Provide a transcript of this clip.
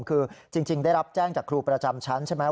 คือจริงได้รับแจ้งจากครูประจำชั้นใช่ไหม